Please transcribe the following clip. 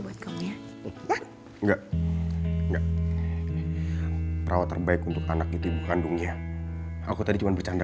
buat kami ya enggak enggak perawat terbaik untuk anak gitu ibu kandungnya aku tadi cuma bercanda